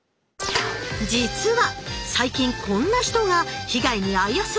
実は最近こんな人が被害に遭いやすいんだって！